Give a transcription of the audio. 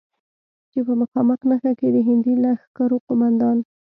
چې په مخامخ نښته کې د هندي لښکرو قوماندان،